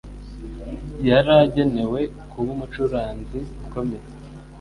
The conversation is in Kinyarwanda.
Yari agenewe kuba umucuranzi ukomeye.